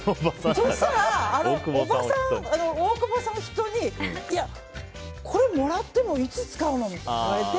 そしたら、大久保さんを筆頭にいや、これもらってもいつ使うの？みたいに言われて。